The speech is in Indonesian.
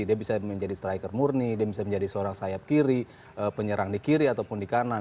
dia bisa menjadi striker murni dia bisa menjadi seorang sayap kiri penyerang di kiri ataupun di kanan